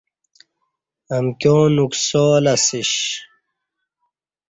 امکیوں نکسالہ سیش